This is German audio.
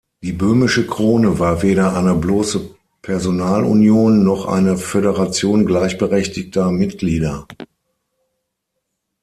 Die Böhmische Krone war weder eine bloße Personalunion noch eine Föderation gleichberechtigter Mitglieder.